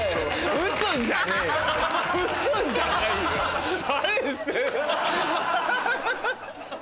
撃つんじゃないよ。